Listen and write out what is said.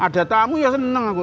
ada tamu ya seneng aku